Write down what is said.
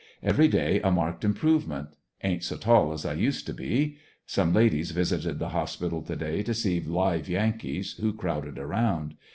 Every day a marked improve ment. Ain't so tall as I "used to was." Some ladies visited the hospital to day to see live Yankees, who crowded around.